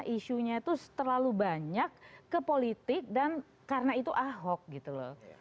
isunya itu terlalu banyak ke politik dan karena itu ahok gitu loh